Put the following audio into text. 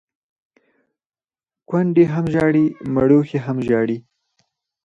کونډي هم ژاړي ، مړوښې هم ژاړي.